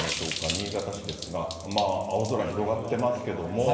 新潟市ですが、まあ、青空広がってますけども。